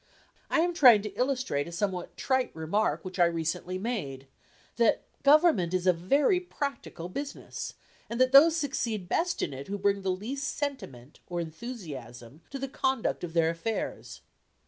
I am trying to illustrate a somewhat trite remark which I recently made: "that government is a very practical business, and that those succeed best in it who bring least sentiment or enthusiasm to the conduct of their affairs."